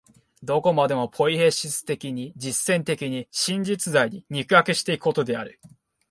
どこまでもポイエシス的に、実践的に、真実在に肉迫し行くことである。